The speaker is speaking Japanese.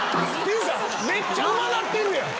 めっちゃうまくなってるやん！